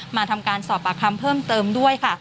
มาทำการสอบปากคำเพิ่มเติมด้วยค่ะ